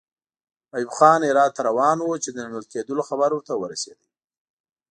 ایوب خان هرات ته روان وو چې د نیول کېدلو خبر ورته ورسېد.